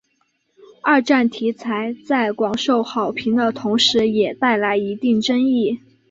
二战题材在广受好评的同时也带来一定争议。